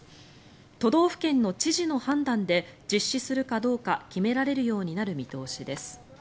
都道府県の知事の判断で実施するかどうか決められるようになる見通しです。